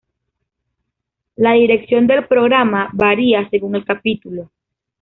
La dirección del programa varía según el capítulo.